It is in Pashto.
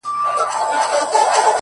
په سپين لاس کي يې دی سپين سگريټ نيولی!